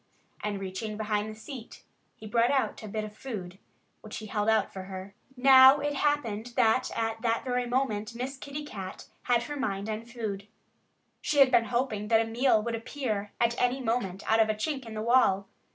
And reaching behind the seat, he brought out a bit of food, which he held out for her. Now, it happened that at that very moment Miss Kitty Cat had her mind on food. She had been hoping that a meal would appear at any moment out of a chink in the wall.